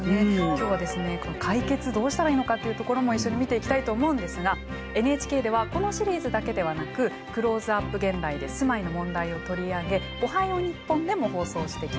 今日は解決どうしたらいいのかっていうところも一緒に見ていきたいと思うんですがＮＨＫではこのシリーズだけではなく「クローズアップ現代」で住まいの問題を取り上げ「おはよう日本」でも放送してきました。